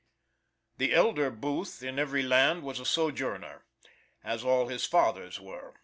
The elder Booth in every land was a sojourner, as all his fathers were.